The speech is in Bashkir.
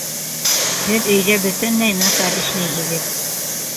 Һеҙ өйҙә бөтөнләй насар эшләйһегеҙ